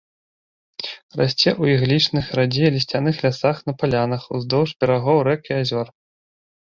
Расце ў іглічных, радзей лісцяных лясах на палянах, уздоўж берагоў рэк і азёр.